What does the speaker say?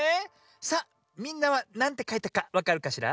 さあみんなはなんてかいたかわかるかしら？